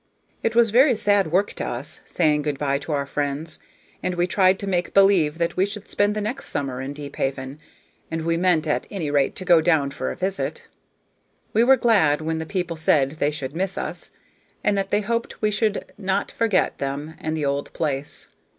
It was very sad work to us saying good by to our friends, and we tried to make believe that we should spend the next summer in Deephaven, and we meant at any rate to go down for a visit. We were glad when the people said they should miss us, and that they hoped we should not forget them and the old place.